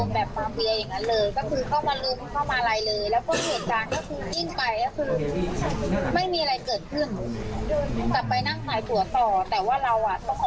กลับไปนั่งถ่ายตัวต่อแต่ว่าเราอ่ะต้องออกจากน้ำ